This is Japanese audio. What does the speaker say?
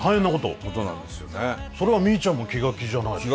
それはみーちゃんも気が気じゃないでしょ。